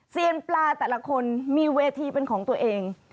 เซียนปลาแต่ละคนมีเวทีเป็นของตัวเอง